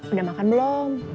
udah makan belum